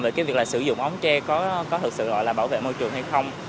về cái việc là sử dụng ống tre có thực sự gọi là bảo vệ môi trường hay không